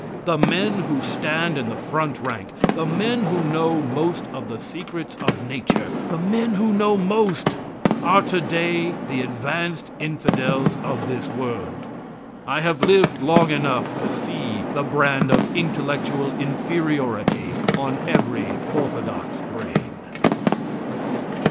The men who stand in the front rank, the men who know most of the secrets of nature, the men who know most are today the advanced infidels of this world. I have lived long enough to see the brand of intellectual inferiority on every orthodox brain.